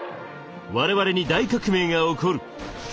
我々に大革命が起こる。